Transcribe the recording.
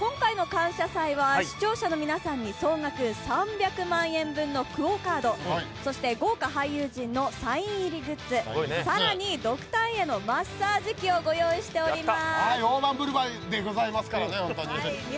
今回の「感謝祭」は視聴者の皆さんに総額３００万円分のＱＵＯカードそして豪華俳優陣のサイン入りグッズ、更にドクターエアのマッサージ機をご用意しております。